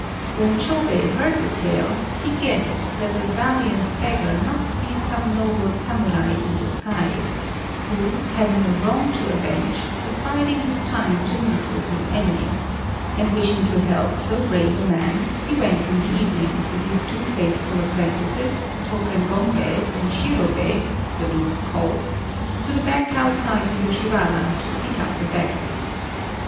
When Chôbei heard the tale, be guessed that the valiant beggar must be some noble Samurai in disguise, who, having a wrong to avenge, was biding his time to meet with his enemy; and wishing to help so brave a man, he went in the evening, with his two faithful apprentices, Tôken Gombei and Shirobei "the loose Colt," to the bank outside the Yoshiwara to seek out the beggar.